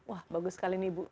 wah bagus sekali nih bu